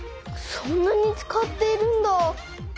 そんなに使っているんだ。